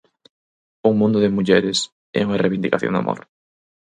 'Un mundo de mulleres' é unha reivindicación do amor.